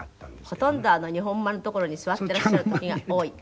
ほとんど日本間の所に座っていらっしゃる時が多い。